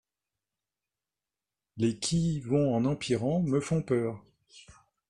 les qui vont en empirant me font peur.